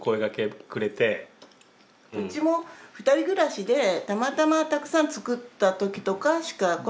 うちも２人暮らしでたまたまたくさん作った時とかしか声はかけない。